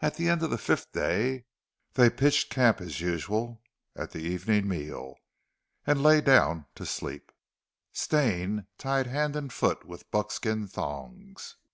At the end of the fifth day they pitched camp as usual, at the evening meal, and lay down to sleep, Stane tied hand and foot with buckskin thongs.